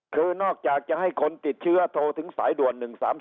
คือนอกจากจะให้คนติดเชื้อโทรถึงสายด่วน๑๓๒